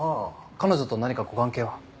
彼女と何かご関係は？